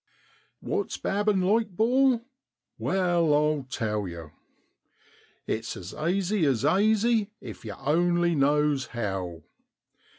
' What's babbin' like, 'bor ? Wai, I'll tell yow. It's as aisy as aisy if yer only knows how.